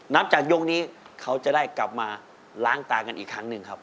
นับจากยกนี้เขาจะได้กลับมาล้างตากันอีกครั้งหนึ่งครับ